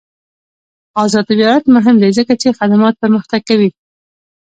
آزاد تجارت مهم دی ځکه چې خدمات پرمختګ کوي.